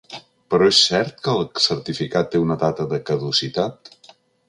Però és cert que el certificat té una data de caducitat?